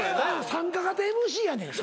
参加型ＭＣやねん。